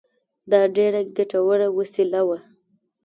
دا ډېره ګټوره وسیله وه